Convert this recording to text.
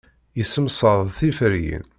Yessemsad tiferyin.